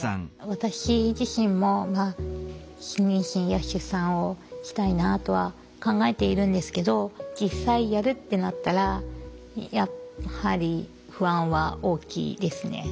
私自身も妊娠や出産をしたいなとは考えているんですけど実際やるってなったらやはり不安は大きいですね。